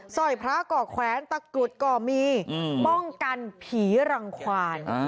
สร้อยพระก่อแขวนตะกรุดก็มีป้องกันผีรังความ